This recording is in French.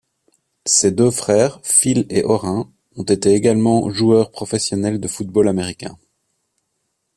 Ses deux frères, Phil et Orrin, ont été également joueurs professionnels de football américain.